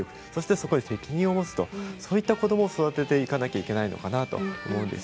そこに責任を持つそういった子どもを育てていかなくてはいけないのでは思います。